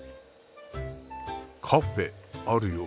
カフェあるよ。